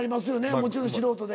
もちろん素人で。